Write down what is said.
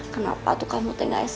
kenapa kamu tinggal smstt